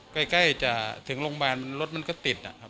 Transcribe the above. ใกล้ถึงโรงพยาบาลรถมันก็ติด